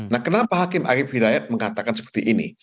nah kenapa hakim arief hidayat mengatakan seperti ini